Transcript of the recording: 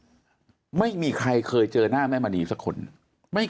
เพราะอาชญากรเขาต้องปล่อยเงิน